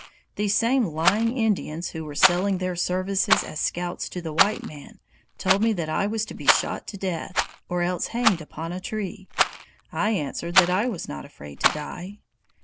These same lying Indians, who were selling their services as scouts to the white man, told me that I was to be shot to death, or else hanged upon a tree. I answered that I was not afraid to die.